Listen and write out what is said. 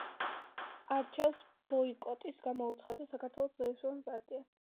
არჩევნებს ბოიკოტი გამოუცხადა საქართველოს ლეიბორისტული პარტიამ.